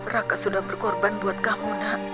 raka sudah berkorban buat kamu